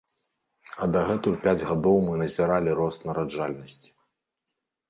А дагэтуль пяць гадоў мы назіралі рост нараджальнасці.